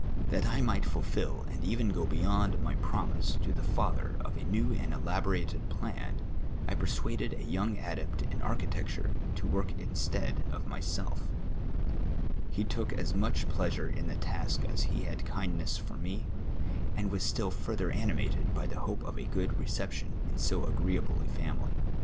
That I might fulfil and even go beyond my promise to the father of a ncAV and elaborated plan, I persuaded a young adept in archi tcctm*e to work instead of myself, lie took as much pleasure in the task as he had kindness for me, and was still further animated by the hope of a good reception in so agreeable a family.